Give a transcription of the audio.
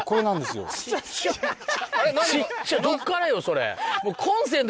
ちっちゃどっからよそれ？